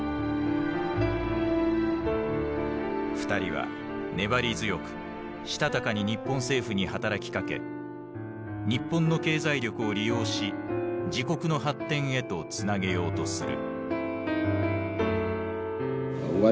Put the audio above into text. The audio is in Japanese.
２人は粘り強くしたたかに日本政府に働きかけ日本の経済力を利用し自国の発展へとつなげようとする。